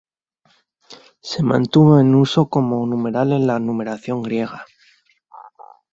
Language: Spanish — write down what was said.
Se mantuvo en uso como numeral en la numeración griega.